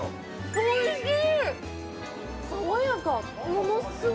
おいしい！